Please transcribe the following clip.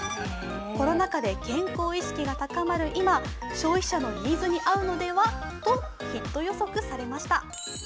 コロナ禍で健康意識が高まる今、消費者のニーズに合うのではとヒット予測されました。